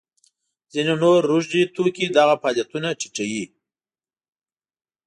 ځینې نور روږدي توکي دغه فعالیتونه ټیټوي.